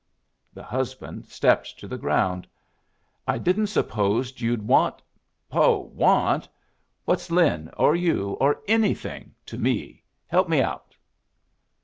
The husband stepped to the ground. "I didn't suppose you'd want " "Ho! want? What's Lin, or you, or anything to me? Help me out."